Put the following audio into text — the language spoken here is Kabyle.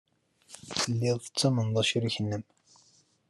Tellid tettamned acrik-nnem.